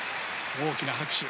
大きな拍手。